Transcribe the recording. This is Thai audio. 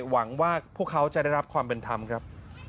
หวังว่าพวกเขาจะได้รับความเป็นธรรมครับ